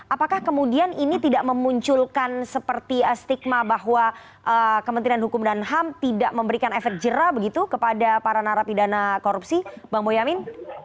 apakah kemudian ini tidak memunculkan seperti stigma bahwa kementerian hukum dan ham tidak memberikan efek jerah begitu kepada para narapidana korupsi bang boyamin